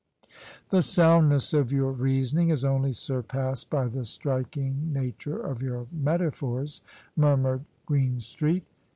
"The soundness of your reasoning is only surpassed by the striking nature of your metaphors," murmured Green street.